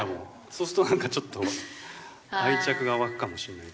そうするとなんかちょっと、愛着が湧くかもしれない。